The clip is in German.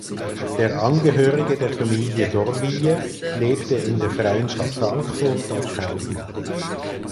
Der Angehörige der Familie d’Orville lebte in der Freien Stadt Frankfurt als Kaufmann.